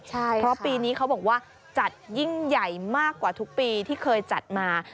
เพราะปีนี้เขาบอกว่าจัดยิ่งใหญ่มากกว่าทุกปีที่เคยจัดมา